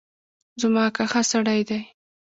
زما اکا ښه سړی دی